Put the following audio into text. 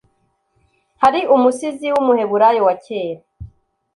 hari umusizi w’Umuheburayo wa kera